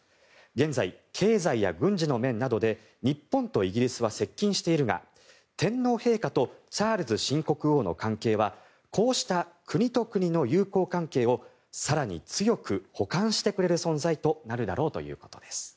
現在、経済や軍事の面などで日本とイギリスは接近しているが天皇陛下とチャールズ新国王の関係はこうした国と国の友好関係を更に強く補完してくれる存在となるだろうということです。